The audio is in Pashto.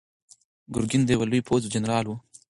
ګرګین د یوه لوی پوځ جنرال و.